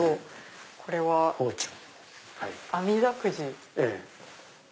これはあみだくじに。